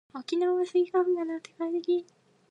沖縄はスギ花粉がなくて快適